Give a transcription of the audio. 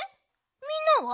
みんなは？